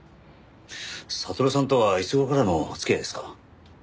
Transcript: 悟さんとはいつ頃からのお付き合いですか？